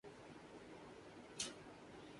لفظ تفسیر عربی زبان کا لفظ ہے جس کا مادہ فسر ہے